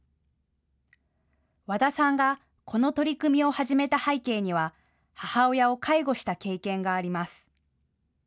和田さんがこの取り組みを始めた背景には、母親を介護した経験があります。